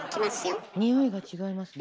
あっにおいが違いますね。